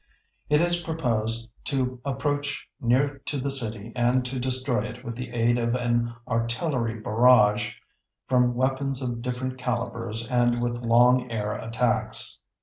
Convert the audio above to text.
"It is proposed to approach near to the city and to destroy it with the aid of an artillery barrage from weapons of different calibers and with long air attacks